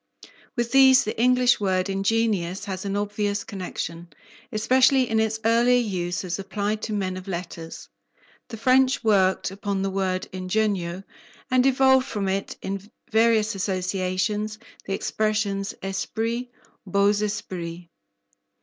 With these the English word ingenious has an obvious connection, especially in its earlier use as applied to men of letters. The French worked upon the word "ingegno" and evolved from it in various associations the expressions "esprit," "beaux Esprits."